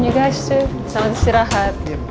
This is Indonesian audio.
you guys too selamat istirahat